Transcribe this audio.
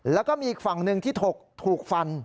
แล้วก็มีอีกฝั่งหนึ่งที่ถูกฟัน